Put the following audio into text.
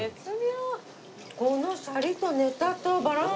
このシャリとネタとバランス。